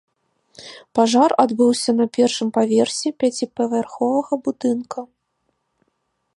Пажар адбыўся на першым паверсе пяціпавярховага будынка.